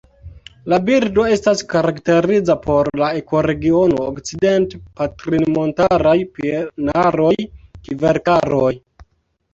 La birdo estas karakteriza por la ekoregiono okcident-patrinmontaraj pinaroj-kverkaroj.